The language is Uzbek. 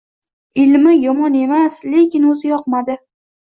Ilmi yomon emas, lekin o‘zi yoqmadi.